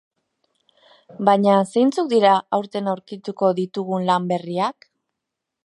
Baina, zeintzuk dira aurten aurkituko ditugun lan berriak?